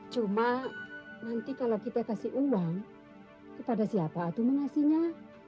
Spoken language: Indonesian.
cuma nanti kalau kita kasih uang kepada siapa adu mengasihnya